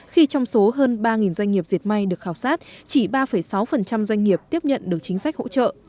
khi trong số hơn ba doanh nghiệp diệt may được khảo sát chỉ ba sáu doanh nghiệp tiếp nhận được chính sách hỗ trợ